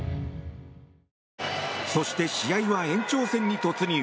そして、試合は延長戦に突入。